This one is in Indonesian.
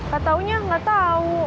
kataunya nggak tahu